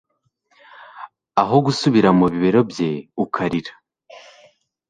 aho gusubira mu bibero bye ukarira